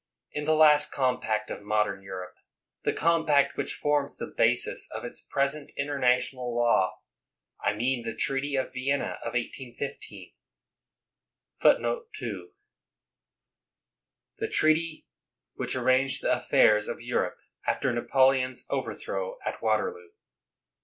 In the last compact of modern Europe, the compact which forms the basis of its present international law — I mean the treaty of Vienna of 1815 ^— this country, with its eyes open to the 1 The treaty which arranged the affairs of Europe after Napo leon's overthrow at Waterloo.